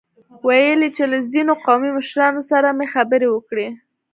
ويل يې چې له ځينو قومي مشرانو سره مې خبرې وکړې.